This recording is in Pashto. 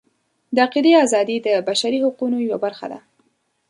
د عقیدې ازادي د بشري حقونو یوه برخه ده.